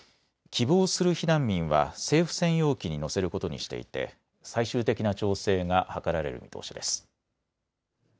希望する避難民は政府専用機に乗せることにしていて最終的な調整が図られる見通しです。